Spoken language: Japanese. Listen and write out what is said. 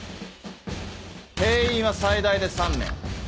定員は最大で３名。